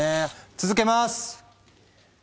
続けます。